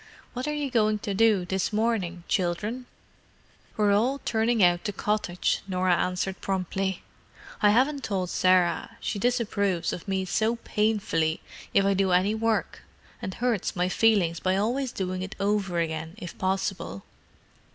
"What are you going to do this morning, children?" "We're all turning out the cottage," Norah answered promptly. "I haven't told Sarah; she disapproves of me so painfully if I do any work, and hurts my feelings by always doing it over again, if possible.